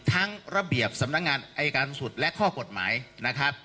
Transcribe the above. ทั้งระเบียบสำนักงานอายการสูงสุดและข้อกฎหมายนะครับ